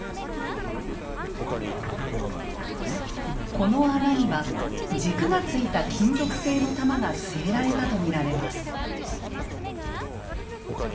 この穴には軸がついた金属製の玉が据えられたと見られます。